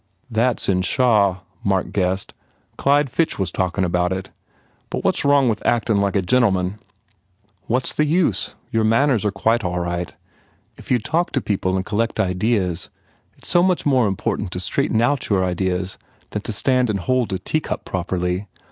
"That s in Shaw," Mark guessed, "Clyde Fitch was talkin about it. But what s wrong with actin like a gentleman?" "What s the use? Your manners are quite all right. If you d talk to people and collect ideas. ... It s so much more important to straighten out your ideas than to stand and hold a teacup properly.